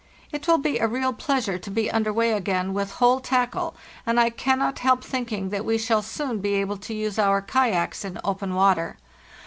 It will be a real pleasure to be under way again with whole tackle, and I cannot help thinking that we shall soon be able to use our kayaks in open water.